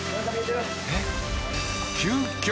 えっ？